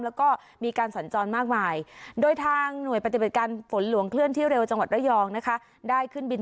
แล้วก็มีการสัญจรมากมายโดยทางหน่วยปฏิบัติการฝนหลวงเคลื่อนที่เร็วจังหวัดระยองนะคะได้ขึ้นบิน